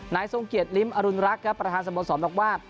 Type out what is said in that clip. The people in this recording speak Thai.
นายทรงเกียจลิ้มอรุณรักครับประธานสมสรรค์บอกว่า